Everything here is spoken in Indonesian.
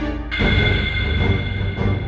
aku mau kemana